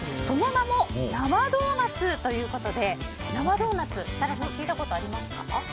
その名も生ドーナツということで生ドーナツ、設楽さん聞いたことありますか？